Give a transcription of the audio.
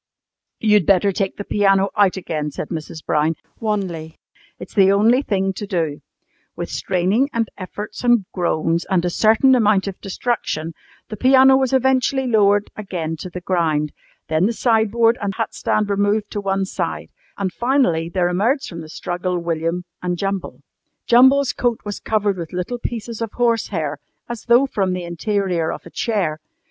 "You'd better take out the piano again," said Mrs. Brown wanly. "It's the only thing to do." With straining, and efforts, and groans, and a certain amount of destruction, the piano was eventually lowered again to the ground. Then the sideboard and hat stand were moved to one side, and finally there emerged from the struggle William and Jumble. Jumble's coat was covered with little pieces of horsehair, as though from the interior of a chair.